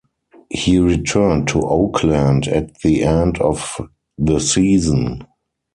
He returned to Oakland at the end of the season.